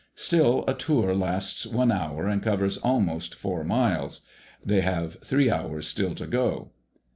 Still, a "tour" lasts one hour and covers almost four miles. They have three hours still to go.